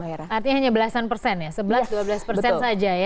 artinya hanya belasan persen ya sebelas dua belas persen saja ya